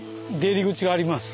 入り口があります。